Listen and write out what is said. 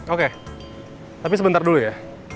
oke tapi sebentar dulu ya